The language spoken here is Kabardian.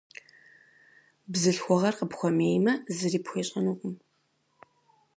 Бзылъхугъэр къыпхуэмеймэ, зыри пхуещӏэнукъым.